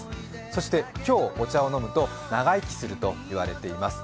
そして今日お茶を飲むと長生きするといわれています。